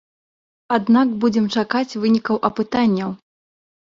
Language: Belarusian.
Аднак будзем чакаць вынікаў апытанняў.